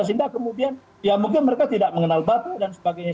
sehingga kemudian ya mungkin mereka tidak mengenal batu dan sebagainya